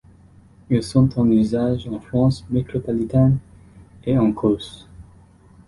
Ils sont en usage en France métropolitaine et en Corse.